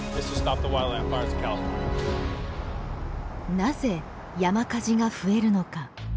なぜ山火事が増えるのか。